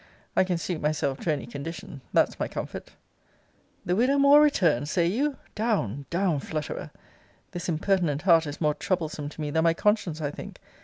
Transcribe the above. I can suit myself to any condition, that's my comfort. The widow Moore returned! say you? Down, down, flutterer! This impertinent heart is more troublesome to me than my conscience, I think.